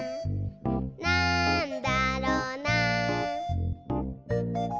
「なんだろな？」